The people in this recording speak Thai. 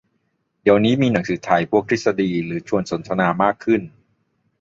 เดี๋ยวนี้มีหนังสือไทยพวกทฤษฎีหรือชวนสนทนามากขึ้น